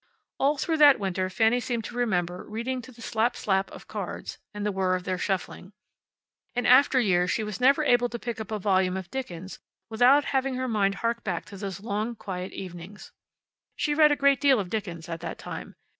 All through that winter Fanny seemed to remember reading to the slap slap of cards, and the whir of their shuffling. In after years she was never able to pick up a volume of Dickens without having her mind hark back to those long, quiet evenings. She read a great deal of Dickens at that time.